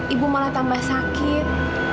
ibu malah tambah sakit